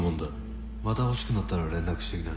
また欲しくなったら連絡してきな。